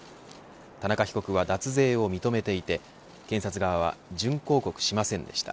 田中被告は脱税を認めていて検察側は準抗告をしませんでした。